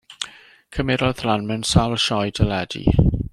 Cymerodd ran mewn sawl sioe deledu.